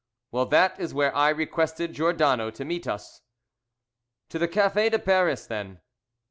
"Well, that is where I requested Giordano to meet us." "To the Café de Paris, then."